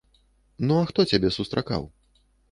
Ну а хто цябе сустракаў?